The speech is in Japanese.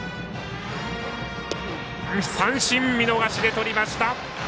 三振、見逃しでとりました。